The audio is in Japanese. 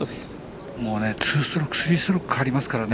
２ストローク３ストロークかかりますからね。